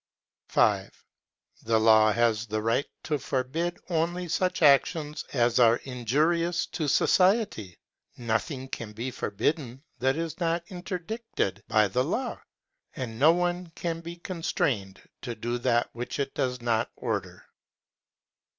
5. The law has the right to forbid only such actions as are injurious to society. Nothing can be forbidden that is not interdicted by the law, and no one can be constrained to do that which it does not order.